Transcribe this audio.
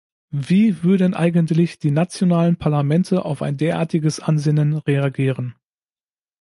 Wie würden eigentlich die nationalen Parlamente auf ein derartiges Ansinnen reagieren?